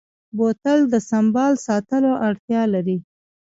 بوتل د سنبال ساتلو اړتیا لري.